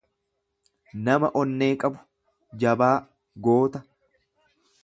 nama onnee qabu, jabaa, goota.